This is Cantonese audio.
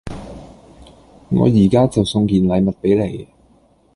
我依家就送件禮物畀你